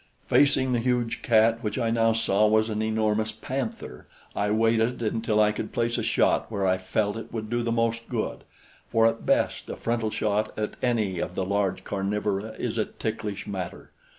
Facing the huge cat, which I now saw was an enormous panther, I waited until I could place a shot where I felt it would do the most good, for at best a frontal shot at any of the large carnivora is a ticklish matter.